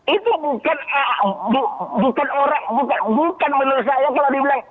itu bukan menurut saya kalau dibilang